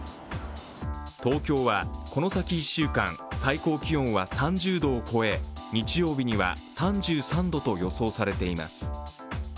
東京は、この先１週間、最高気温は３０度を超え、日曜日には３３度と予想されています。